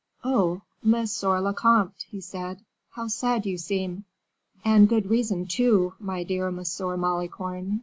"Oh, monsieur le comte," he said, "how sad you seem!" "And good reason too, my dear Monsieur Malicorne.